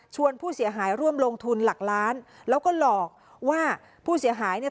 ผู้เสียหายร่วมลงทุนหลักล้านแล้วก็หลอกว่าผู้เสียหายเนี่ย